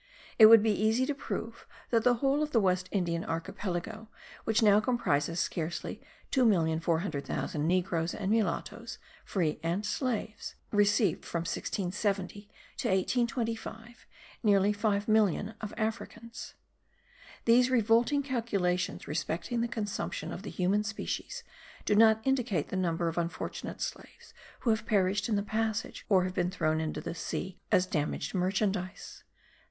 It would be easy to prove that the whole of the West Indian archipelago, which now comprises scarcely 2,400,000 negroes and mulattoes (free and slaves), received, from 1670 to 1825, nearly 5,000,000 of Africans. These revolting calculations respecting the consumption of the human species do not include the number of unfortunate slaves who have perished in the passage or have been thrown into the sea as damaged merchandize.